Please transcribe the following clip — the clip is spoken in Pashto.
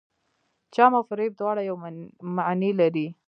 چم او فریب دواړه یوه معنی لري.